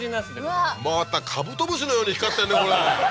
またカブトムシのように光ってるねこれ。